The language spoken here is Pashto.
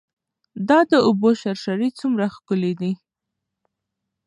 دا د اوبو شرشرې څومره ښکلې دي.